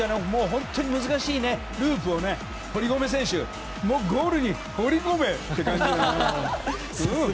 本当に難しいループを堀米選手、ゴールに放り込め！って感じですよね。